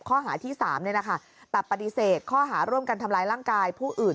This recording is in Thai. ข้อหาที่๓แต่ปฏิเสธข้อหาร่วมกันทำร้ายร่างกายผู้อื่น